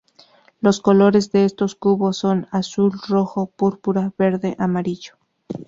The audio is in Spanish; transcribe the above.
Los colores de estos cubos son: azul, rojo, púrpura, verde, amarillo.